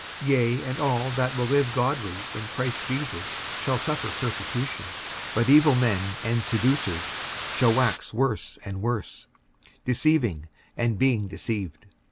55:003:012 Yea, and all that will live godly in Christ Jesus shall suffer persecution. 55:003:013 But evil men and seducers shall wax worse and worse, deceiving, and being deceived.